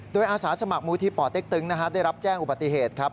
โดยอาสาสมัครมูลที่ป่อเต็กตึงได้รับแจ้งอุบัติเหตุครับ